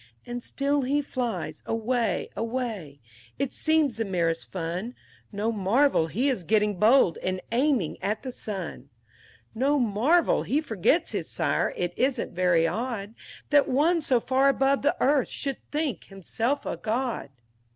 X And still he flies away away; it seems the merest fun; No marvel he is getting bold, and aiming at the sun; No marvel he forgets his sire; it isn't very odd That one so far above the earth should think himself a god!